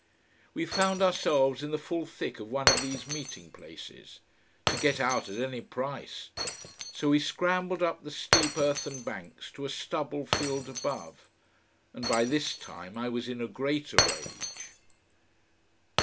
We found ourselves in the full thick of one of these meeting places. To get out at any price! So we scrambled up the steep earthen banks to a stubble field above. And by this time I was in a greater rage.